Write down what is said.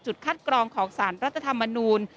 คัดกรองของสารรัฐธรรมนูล